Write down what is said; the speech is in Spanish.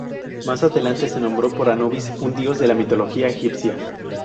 Más adelante se nombró por Anubis, un dios de la mitología egipcia.